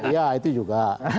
iya itu juga